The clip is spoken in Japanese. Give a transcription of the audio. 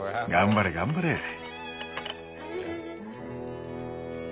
頑張れ頑張れ！